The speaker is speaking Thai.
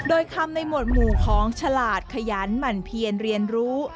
โดยคำในหมวดหมู่ของฉลาดขยันหมั่นเพียนเรียนรู้